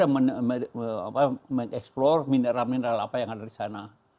memetakan daerah itu dan mengeksplor mineral mineral apa yang ada di sana